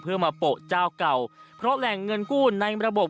เพื่อมาโปะเจ้าเก่าเพราะแหล่งเงินกู้ในระบบ